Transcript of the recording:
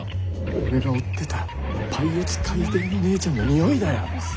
俺が追ってたパイオツカイデーのねえちゃんの匂いだよ。